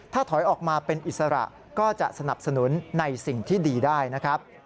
ถ้าถอยออกมาเป็นอิสระก็จะสนับสนุนในสิ่งที่ดีได้นะครับ